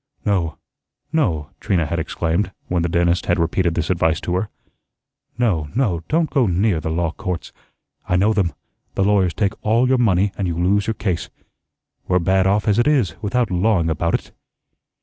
"No, no," Trina had exclaimed, when the dentist had repeated this advice to her. "No, no, don't go near the law courts. I know them. The lawyers take all your money, and you lose your case. We're bad off as it is, without lawing about it."